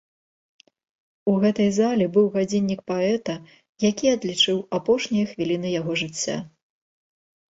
У гэтай зале быў гадзіннік паэта, які адлічыў апошнія хвіліны яго жыцця.